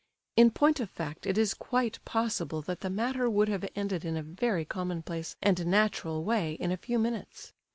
In point of fact it is quite possible that the matter would have ended in a very commonplace and natural way in a few minutes.